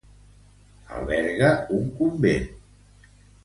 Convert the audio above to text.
Alberga un convent.